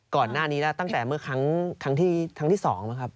ก่อนหน้านี้แล้วตั้งแต่เมื่อครั้งที่๒นะครับ